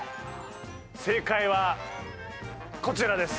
正解はこちらです。